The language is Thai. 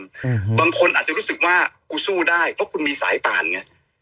อืมบางคนอาจจะรู้สึกว่ากูสู้ได้เพราะคุณมีสายป่านไง